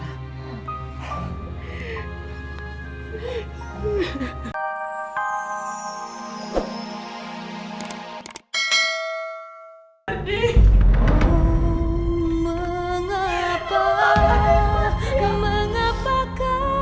sampai jumpa di video selanjutnya